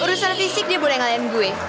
rusan fisik dia boleh ngalain gue